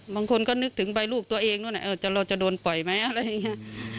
บางคนก็นึกถึงใบลูกตัวเองนู้นเราจะโดนปล่อยไหมอะไรอย่างนี้